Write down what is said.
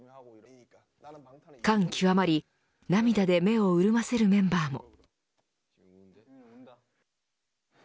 感極まり涙で目を潤ませるメンバーも。